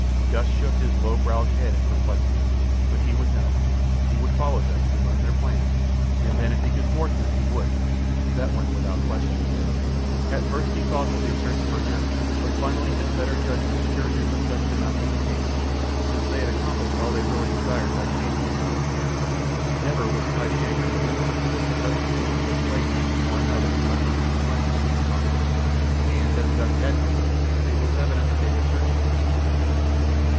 Gust shook his low browed head in perplexity. But he would know. He would follow them and learn their plans, and then if he could thwart them he would—that went without question. At first he had thought that they searched for him; but finally his better judgment assured him that such could not be the case, since they had accomplished all they really desired by chasing him out of camp. Never would Kai Shang or Momulla go to such pains to slay him or another unless it would put money into their pockets, and as Gust had no money it was evident that they were searching for someone else.